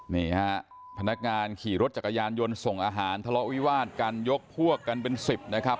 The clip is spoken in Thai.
นี่ฮะพนักงานขี่รถจักรยานยนต์ส่งอาหารทะเลาะวิวาดกันยกพวกกันเป็นสิบนะครับ